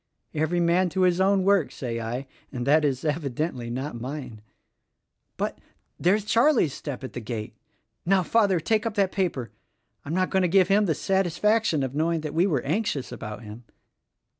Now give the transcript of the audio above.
Every man to his own work, say I; and that is, evidently, not mine. But — there's Charlie's step at the gate! Now, Father, take up that paper! I'm not going to give him the satisfaction of knowing that we were anxious about him."